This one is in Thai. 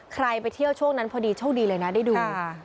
ไปเที่ยวช่วงนั้นพอดีโชคดีเลยนะได้ดู